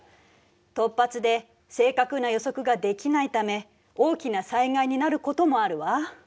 突発で正確な予測ができないため大きな災害になることもあるわ。